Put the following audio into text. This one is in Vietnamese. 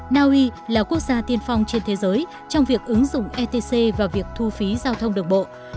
naui là quốc gia tiên phong trên thế giới trong việc ứng dụng etc vào việc thu phí giao thông đường bộ